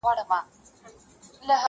وجود بار لري هر کله په تېرو تېرو ازغیو،